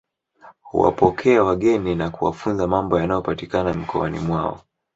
Huwapokea wageni na kuwafunza mambo yanayopatikana mkoani mwao